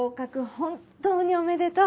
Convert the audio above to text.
本当におめでとう。